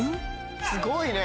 すごいね。